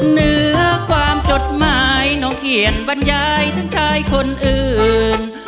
เหนือความจดหมายน้องเขียนบรรยายถึงชายคนอื่น